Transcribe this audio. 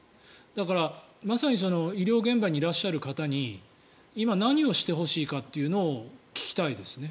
だから、まさに医療現場にいらっしゃる方に今、何をしてほしいかというのを聞きたいですね。